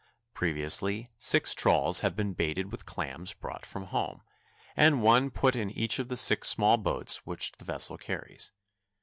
Previously, six trawls have been baited with clams brought from home, and one put in each of the six small boats which the vessel carries.